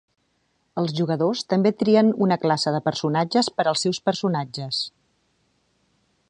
Els jugadors també trien una classe de personatges per als seus personatges.